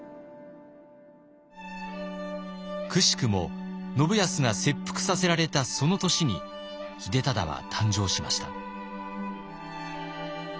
くしくも信康が切腹させられたその年に秀忠は誕生しました。